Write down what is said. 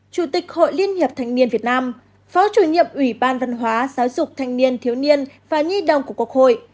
chủ tịch hội liên hiệp thanh niên việt nam phó chủ nhiệm ủy ban văn hóa giáo dục thanh niên thiếu niên và nhi đồng của quốc hội